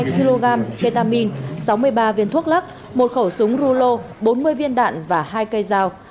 một ba mươi hai kg ketamine sáu mươi ba viên thuốc lắc một khẩu súng rulo bốn mươi viên đạn và hai cây dao